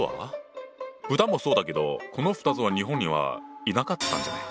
豚もそうだけどこの２つは日本にはいなかったんじゃない？